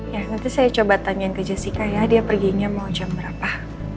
ya nanti saya coba tanyain ke jessica ya dia perginya mau jam berapa